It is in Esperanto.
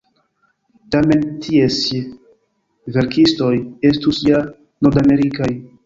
Tamen tiesj verkistoj estus ja nordamerikaj.